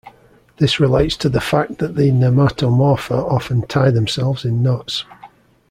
This relates to the fact that nematomorpha often tie themselves in knots.